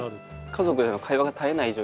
家族での会話が絶えない状況で。